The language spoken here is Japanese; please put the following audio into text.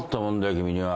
君には。